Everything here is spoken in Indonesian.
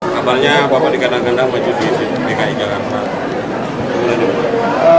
kabarnya apa apa dikandang kandang pak jusyid dki jakarta